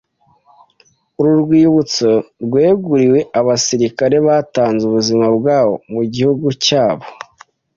Uru rwibutso rweguriwe abasirikare batanze ubuzima bwabo mu gihugu cyabo.